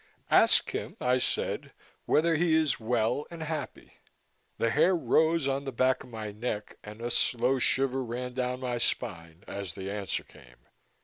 "Ask him," I said, "whether he is well and happy." The hair rose on the back of my neck and a slow shiver ran down my spine as the answer came.